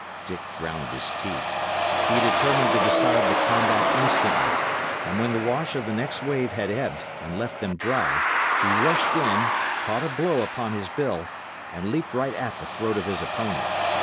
Dick ground his teeth. He determined to decide the combat instantly; and when the wash of the next wave had ebbed and left them dry, he rushed in, caught a blow upon his bill, and leaped right at the throat of his opponent.